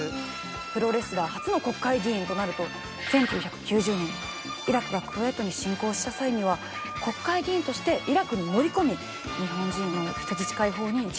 プロレスラー初の国会議員となると１９９０年イラクがクウェートに侵攻した際には国会議員としてイラクに乗り込み日本人の人質解放に尽力しました。